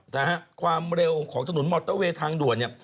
แต่ความเร็วของถนนมอเตอร์เวย์ทางด่วน